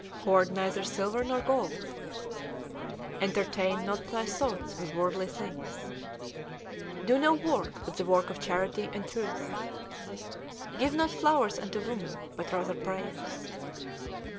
Hoard neither silver nor gold. Entertain not thy thoughts with worldly things. Do no work but the work of charity and truth. Give not flowers unto women, but rather prayers.